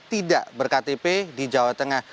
tidak ber ktp di jawa tengah